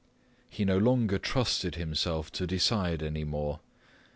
He no longer trusted himself to decide any more.